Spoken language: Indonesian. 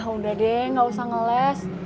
ah udah deh gak usah ngeles